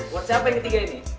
buat siapa yang ketiga ini